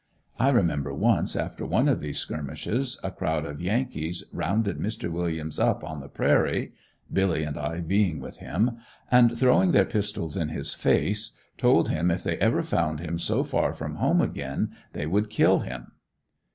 I remember once after one of those skirmishes a crowd of Yankees rounded Mr. Williams up on the prairie Billy and I being with him and throwing their pistols in his face told him if they ever found him so far from home again they would kill him.